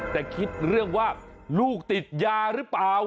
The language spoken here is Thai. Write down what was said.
แต่คิดเรื่องว่าลูกติดยาหรือเปล่า